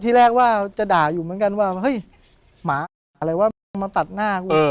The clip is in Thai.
ที่แรกว่าจะด่าอยู่เหมือนกันว่าเฮ้ยหมาอะไรวะมึงมาตัดหน้ากู